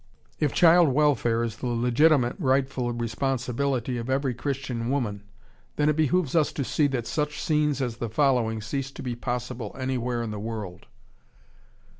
If child welfare is the legitimate, rightful responsibility of every Christian woman, then it behooves us to see that such scenes as the following cease to be possible anywhere in the world.